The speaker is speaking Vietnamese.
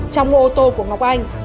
trong ô tô của ngọc anh